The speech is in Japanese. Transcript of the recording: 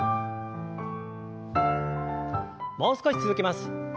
もう少し続けます。